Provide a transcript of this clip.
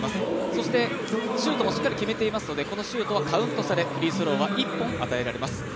そしてシュートも決まっていますのでこのシュートはカウントされフリースローは１本与えられます。